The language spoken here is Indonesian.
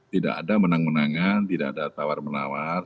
tidak ada menang menangan tidak ada tawar menawar